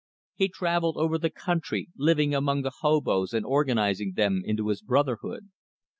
He traveled over the country, living among the hobos and organizing them into his Brotherhood.